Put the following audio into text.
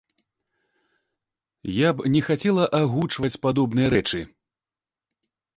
Я не хацела б агучваць падобныя рэчы.